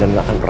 aku mau pergi